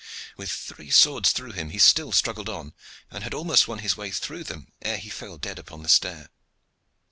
With three swords through him he still struggled on, and had almost won his way through them ere he fell dead upon the stair.